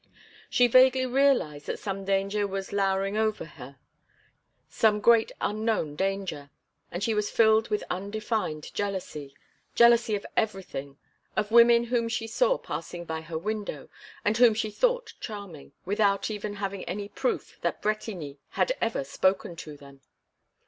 She vaguely realized that some danger was lowering over her, some great unknown danger. And she was filled with undefined jealousy, jealousy of everything of women whom she saw passing by her window, and whom she thought charming, without even having any proof that Bretigny had ever spoken to them.